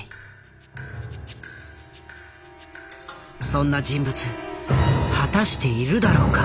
そんな人物果たしているだろうか？